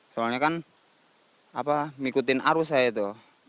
soalnya kan apa mengikuti arus saya itu